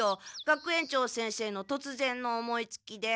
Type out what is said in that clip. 学園長先生のとつぜんの思いつきで。